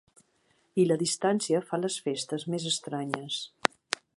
I la distància fa les festes més estranyes.